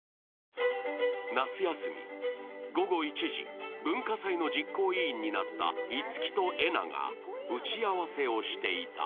夏休み、午後１時、文化祭の実行委員になった樹と恵那が打ち合わせをしていた。